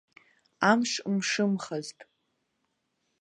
Амш мшымхазт.